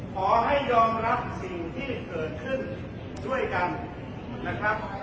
ขอให้ยอมรับสิ่งที่เกิดขึ้นช่วยกันนะครับ